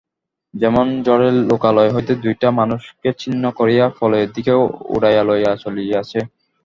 যেন ঝড়ে লোকালয় হইতে দুইটা মানুষকে ছিন্ন করিয়া প্রলয়ের দিকে উড়াইয়া লইয়া চলিয়াছে।